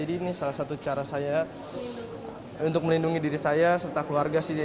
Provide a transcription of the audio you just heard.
ini salah satu cara saya untuk melindungi diri saya serta keluarga sih